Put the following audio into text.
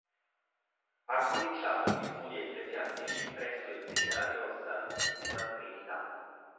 Ha cominciato gli studi ecclesiastici presso il seminario "Santissima Trinità".